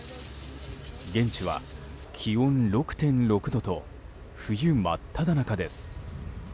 現地は気温６．６度と冬真っただ中です。